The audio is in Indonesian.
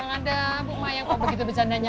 orang anda bu mayang kok begitu bercanda canda